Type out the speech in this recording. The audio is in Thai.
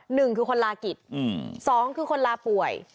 หนึ่งคือคนลากิจสองคือคนลาป่วย